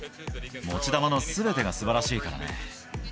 持ち球のすべてがすばらしいからね。